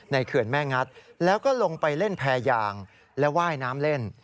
เขื่อนแม่งัดแล้วก็ลงไปเล่นแพรยางและว่ายน้ำเล่น